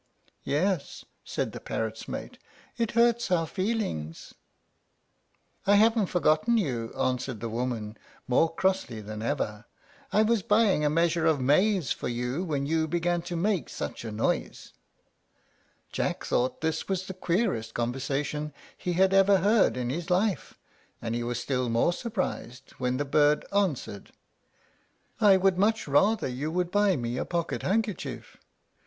"Yes," said the parrot's mate, "it hurts our feelings." "I haven't forgotten you," answered the woman, more crossly than ever; "I was buying a measure of maize for you when you began to make such a noise." Jack thought this was the queerest conversation he had ever heard in his life; and he was still more surprised when the bird answered, "I would much rather you would buy me a pocket handkerchief.